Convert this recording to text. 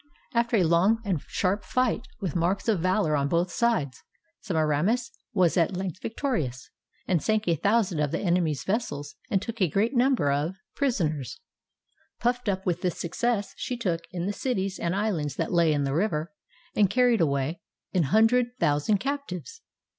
After a long and sharp fight, with marks of valor on both sides, Semiramis was at length victorious, and sunk a thou sand of the enemy's vessels, and took a great number of 498 * SEMIRAMIS'S MAKE BELIEVE ELEPHANTS prisoners. PufTed up with this success, she took, in the cities and ishinds that lay in the river, and carried away, an hundred thousand captives.